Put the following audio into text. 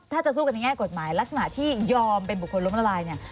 ถ้าจะสู้กันในแง่กฎหมายลักษณะที่ยอมเป็นบุคคลล้มละลายเนี่ย